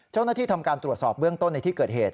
เจ้าหน้าที่ทำการตรวจสอบเบื้องต้นในที่เกิดเหตุ